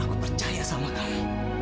aku percaya sama kamu